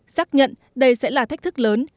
xác nhận đây sẽ là thách thức lớn